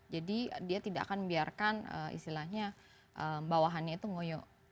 jadi dia tidak akan membiarkan istilahnya bawahannya itu ngoyo